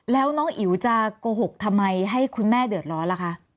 แล้วน้องอิ๋วจะโกหกทำไมให้คุณแม่เดือดร้อนล่ะคะ